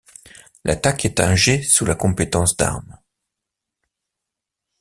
L'attaque est un jet sous la compétence d'arme.